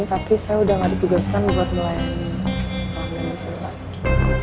tapi saya udah gak ditugaskan buat melayani pelanggan yang selagi